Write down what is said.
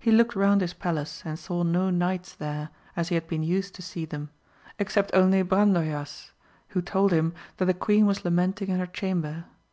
He looked round his palace and saw no knights there as AMADIS OF GAUL. 103 he had been used to see them, except only Brandoj uas, who told him that the queen was lamenting in her chamber.